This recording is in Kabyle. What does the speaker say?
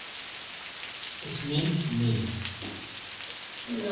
Seg melmi kan ay yemmut.